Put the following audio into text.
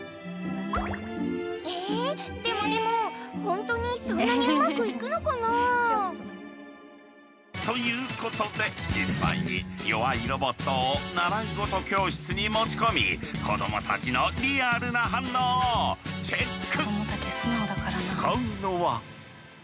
えでもでもホントにそんなにうまくいくのかな？ということで実際に弱いロボットを習い事教室に持ち込み子どもたちのリアルな反応をチェック！